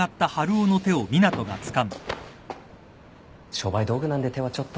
商売道具なんで手はちょっと。